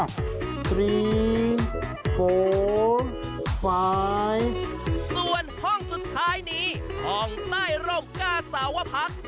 ส่วนห้องสุดท้ายนี้ห้องใต้ร่มกล้าสาวพัก